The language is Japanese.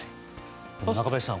中林さん